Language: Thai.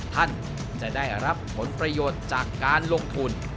ท่านจะได้รับผลประโยชน์จากการลงทุน